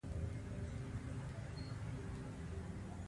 د حزب توده ایران رسنۍ چاپېدې.